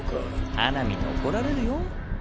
花御に怒られるよ。